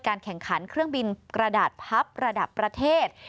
แข่งขันเครื่องบินกระดาษพับระดับประเทศ